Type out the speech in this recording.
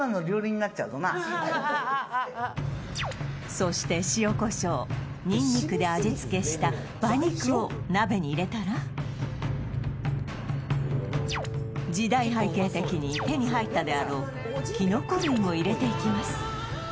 そして塩コショウニンニクで味付けした馬肉を鍋に入れたら時代背景的に手に入ったであろうきのこ類を入れていきます